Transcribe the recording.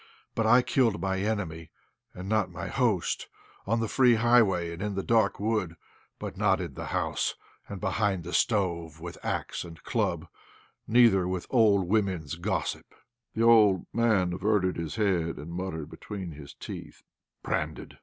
But I killed my enemy, and not my host, on the free highway and in the dark wood, but not in the house, and behind the stove with axe and club, neither with old women's gossip." The old man averted his head, and muttered between his teeth "Branded!"